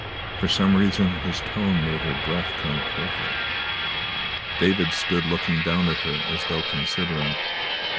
For some reason his tone made her breath come quickly. David stood looking down at her as though considering.